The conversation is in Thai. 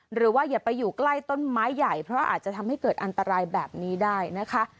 หรือว่าอย่าไปอยู่ใกล้ต้นไม้ใหญ่เพราะอาจจะทำให้เกิดอันตรายแบบนี้ได้นะคะ